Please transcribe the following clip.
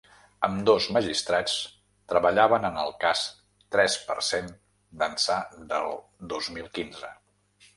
Ambdós magistrats treballaven en el cas tres per cent d’ençà del dos mil quinze.